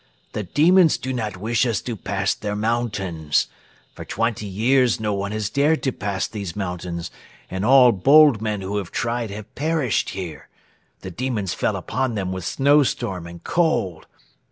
The demons do not wish us to pass their mountains. For twenty years no one has dared to pass these mountains and all bold men who have tried have perished here. The demons fell upon them with snowstorm and cold.